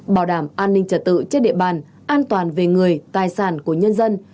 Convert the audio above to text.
bảo đảm an ninh trật tự trên địa bàn an toàn về người tài sản của nhân dân